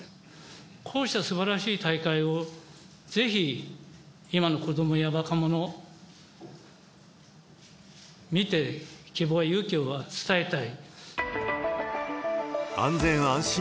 こうしたすばらしい大会をぜひ今の子どもや若者が見て、希望や勇気を伝えたい。